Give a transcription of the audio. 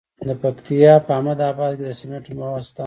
د پکتیا په احمد اباد کې د سمنټو مواد شته.